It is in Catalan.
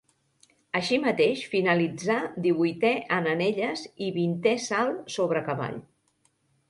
Així mateix finalitzà divuitè en anelles i vintè salt sobre cavall.